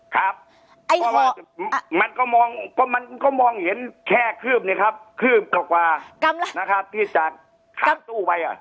ครับมันก็มองเห็นแค่ขืบเนี่ยครับขืบกลับกว่านะครับที่จะข้ามตู้ไป